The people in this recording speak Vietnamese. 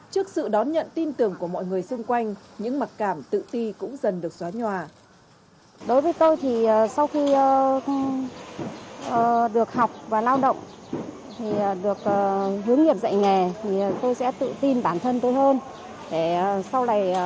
trước sự đón nhận tin tưởng của mọi người xung quanh những mặc cảm tự ti cũng dần được xóa nhòa